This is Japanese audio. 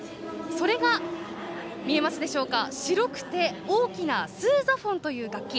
それが、見えますでしょうか白くて大きなスーザフォンという楽器。